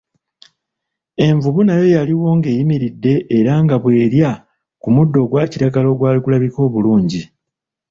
Envubu nayo yaliwo ng'eyimiridde era nga bw'erya ku muddo ogwa kiragala ogwali gulabika obulungi.